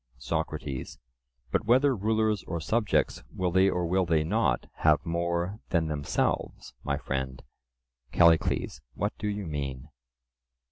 SOCRATES: But whether rulers or subjects will they or will they not have more than themselves, my friend? CALLICLES: What do you mean?